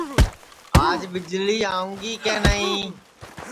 آج ٻجݪی آؤںگی کے نائی